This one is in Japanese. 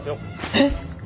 えっ！？